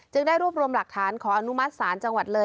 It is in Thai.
ได้รวบรวมหลักฐานขออนุมัติศาลจังหวัดเลย